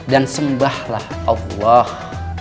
dan sembahlah allah